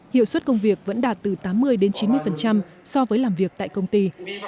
hiệu suất công việc vẫn đạt từ tám mươi chín mươi so với làm việc tại công ty